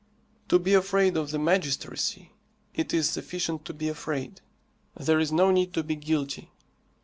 To be afraid of the magistracy, it is sufficient to be afraid, there is no need to be guilty.